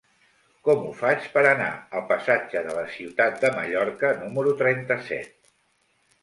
Com ho faig per anar al passatge de la Ciutat de Mallorca número trenta-set?